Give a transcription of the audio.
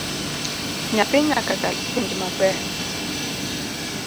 Nyathi nyaka kal penj maber